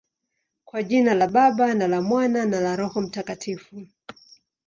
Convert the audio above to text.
Kwa jina la Baba, na la Mwana, na la Roho Mtakatifu.